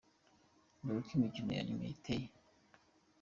Dore uko imikino ya nyuma iteye:.